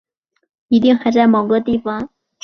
一定还在某个地方